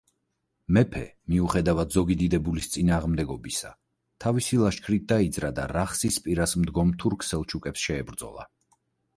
მეფე, მიუხედავად ზოგი დიდებულის წინააღმდეგობისა, თავისი ლაშქრით დაიძრა და რახსის პირას მდგომ თურქ-სელჩუკებს შეებრძოლა.